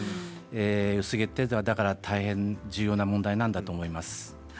薄毛って大変重要な問題なんだなと思います。